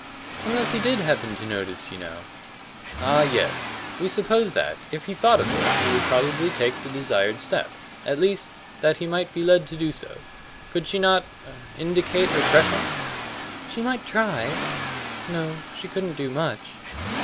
"Unless he did happen to notice, you know." "Ah, yes; we supposed that, if he thought of it, he would probably take the desired step at least, that he might be led to do so. Could she not er indicate her preference?" "She might try no, she couldn't do much.